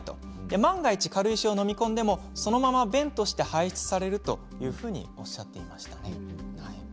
万が一、軽石を飲み込んでもそのまま便として排出されるとおっしゃっていました。